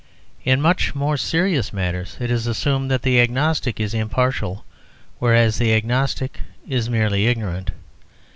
In much more serious matters it is assumed that the agnostic is impartial; whereas the agnostic is merely ignorant.